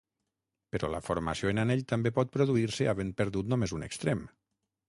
Però la formació en anell també pot produir-se havent perdut només un extrem.